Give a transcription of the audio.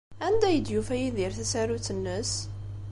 Anda ay d-yufa Yidir tasarut-nnes?